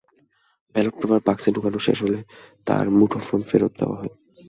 Ballot paper বাক্সে ঢোকানো শেষ হলে তাঁর মুঠোফোন ফেরত দেওয়া হয়।